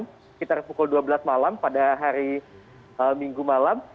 sekitar pukul wib pada hari minggu malam